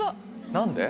何で？